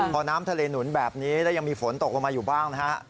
พอน้ำทะเลหนุนแบบนี้แล้วยังมีฝนตกลงมาอยู่บ้างนะฮะ